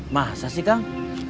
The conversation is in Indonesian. masa sih kang